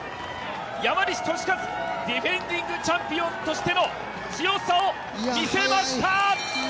山西利和、ディフェンディングチャンピオンとしての強さを見せました！